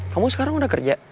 kamu sekarang udah kerja